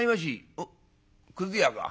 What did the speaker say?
「おっくず屋か。